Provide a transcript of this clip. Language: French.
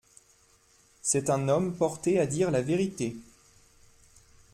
C’est un homme porté à dire la vérité.